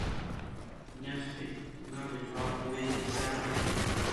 Naffe nga lwe twakuweerezaayo.